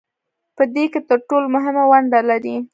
په دې کې تر ټولو مهمه ونډه لري